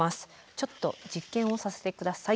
ちょっと実験をさせて下さい。